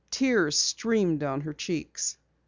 Tears streamed down her cheeks.